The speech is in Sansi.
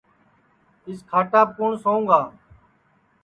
اِس کھاٹاپ کُوٹؔ سوُں گا